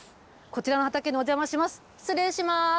こちらの畑にお邪魔します。